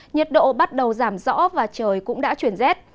nhiệt độ bắt đầu giảm rõ và trời cũng đã chuyển rét